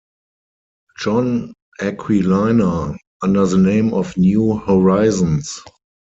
John Aquilina, under the name of New Horizons.